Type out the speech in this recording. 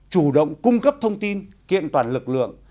chủ động cung cấp thông tin kiện toàn lực lượng